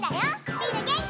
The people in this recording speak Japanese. みんなげんき？